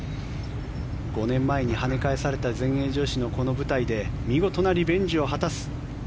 ５年前に跳ね返された全英女子のこの舞台で見事なリベンジを果たす。